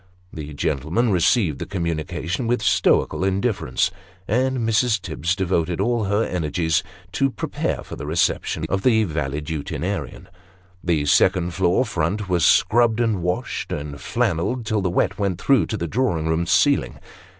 The gentlemen received the communication with stoical indifference, and Mrs. Tibbs devoted all her energies to prepare for the reception of tho valetudinarian. The second floor front was scrubbed, and washed, and flannelled, till the wet went through to the drawing room ceiling.